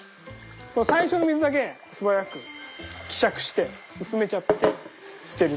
この最初の水だけ素早く希釈して薄めちゃって捨てるっていう。